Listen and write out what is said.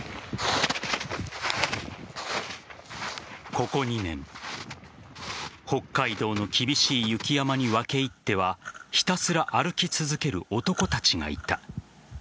ここ２年北海道の厳しい雪山に分け入ってはひたすら歩き続ける男たちがいた。